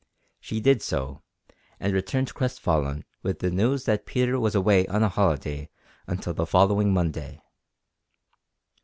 She did so, and returned crestfallen with the news that Peter was away on a holiday until the following Monday.